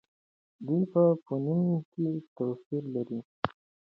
دوی په فونېم کې توپیر لري.